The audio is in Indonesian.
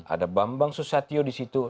ada bambang susatyo di situ